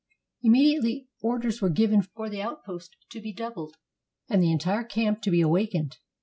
Immediately orders were given for the outposts to be doubled, and the entire camp to be awakened.